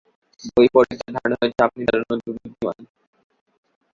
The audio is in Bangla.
বই পড়ে তার ধারণা হয়েছে আপনি দারুণ বুদ্ধিমান।